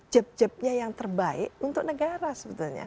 jeb jebnya yang terbaik untuk negara sebetulnya